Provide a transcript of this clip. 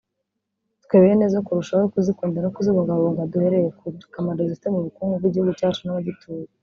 twe bene zo turusheho kuzikunda no kuzibungabunga duhereye ku kamaro zifite mu bukungu bw’Igihugu cyacu n’abagituye